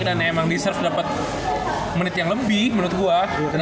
dan emang deserve dapet menit yang lebih menurut gue